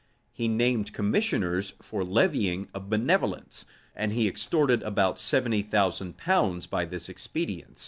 He named commissioners for levying a benevolence, and he extorted about seventy thousand pounds by this expedient.